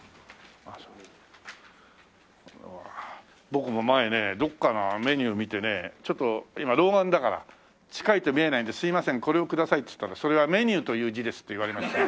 僕も前ねどこかのメニュー見てねちょっと今老眼だから近いと見えないんで「すいませんこれをください」って言ったら「それはメニューという字です」って言われました。